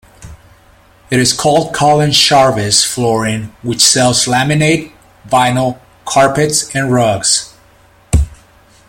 It is called Colin Charvis Flooring which sells laminate, vinyl, carpets and rugs.